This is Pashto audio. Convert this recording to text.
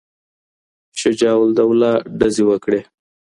شجاع الدوله ډزې وکړې.